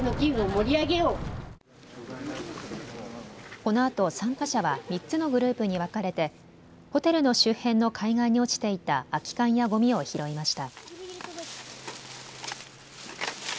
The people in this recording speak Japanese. このあと参加者は３つのグループに分かれてホテルの周辺の海岸に落ちていた空き缶やごみを拾いました。